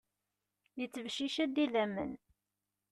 Yettbeccic-d idammen.